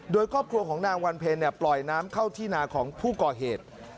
โดยครอบครัวของนางวันเพลปล่อยน้ำเข้าที่นาของผู้ก่อเหตุ